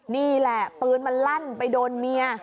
นี่แหละปืนมันลั่นไปโดนเมีย